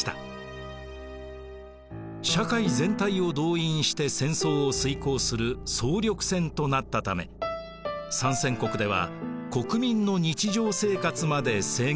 社会全体を動員して戦争を遂行する総力戦となったため参戦国では国民の日常生活まで制限されることになりました。